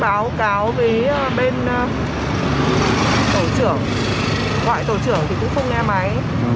báo cáo với bên tổ trưởng gọi tổ trưởng thì tôi không nghe máy